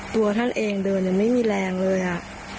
ตัวท่านเองเดินยังไม่มีแรงเลยอ่ะ